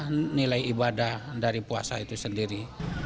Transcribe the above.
itu adalah nilai ibadah dari puasa itu sendiri